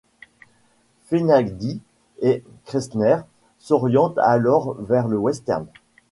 Fenady et Kershner s'orientent alors vers le western.